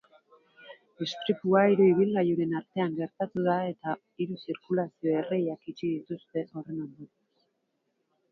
Istripua hiru ibilgailuren artean gertatu da eta hiru zirkulazio-erreiak itxi dituzte horren ondorioz.